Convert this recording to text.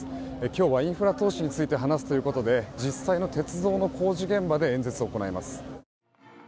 今日はインフラ投資について話すということで実際の鉄道の工事現場で演説を行います。